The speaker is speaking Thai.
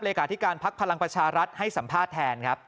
การาธิการพักพลังประชารัฐให้สัมภาษณ์แทนครับ